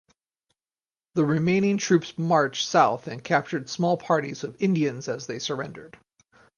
The remaining troops marched south and captured small parties of Indians as they surrendered.